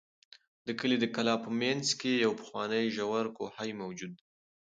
د کلي د کلا په منځ کې یو پخوانی ژور کوهی موجود دی.